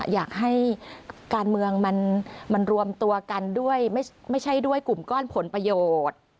อยากให้การเมืองมันรวมตัวกันด้วยไม่ใช่ด้วยกลุ่มก้อนผลประโยชน์